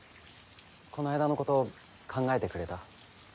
この間のこと考えてくれた？